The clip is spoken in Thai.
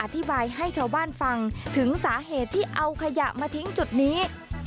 อธิบายให้ชาวบ้านฟังถึงสาเหตุที่เอาขยะมาทิ้งจุดนี้